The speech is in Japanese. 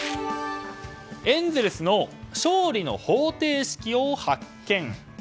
エンゼルスの勝利の方程式を発見。